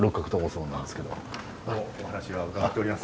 どうもお話は伺っております。